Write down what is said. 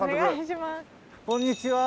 こんにちは！